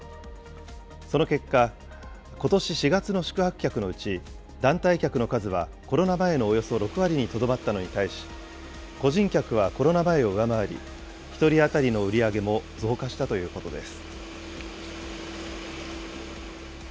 その結果、ことし４月の宿泊客のうち、団体客の数はコロナ前のおよそ６割にとどまったのに対し、個人客はコロナ前を上回り、１人当たりの売り上げも増加したということです。